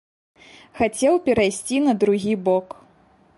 Хацеў перайсці на другі бок.